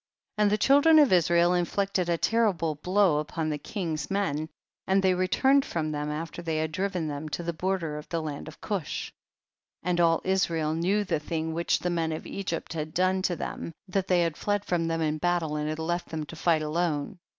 41. And the children of Israel in flicted a terrible blow upon the kino s' men, and they returned from them after they had driven them to the border of the land of Gush, 42. And all Israel knew the thing which the men of Egypt had done to them, that they had fled from them in battle, and had left them to fight alone.